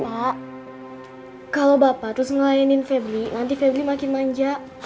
nak kalau bapak terus ngelayanin febri nanti febri makin manja